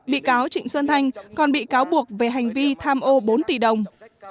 bị cáo trịnh xuân thanh còn bị cáo buộc về hành vi tham ô bốn tỷ đồng